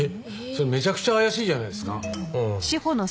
それめちゃくちゃ怪しいじゃないですか。